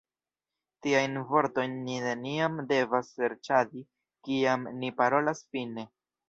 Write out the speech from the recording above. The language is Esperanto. Tiajn vortojn ni neniam devas serĉadi, kiam ni parolas finne.